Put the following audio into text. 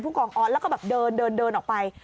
ผู้กองออสแล้วก็แบบเดินออกไป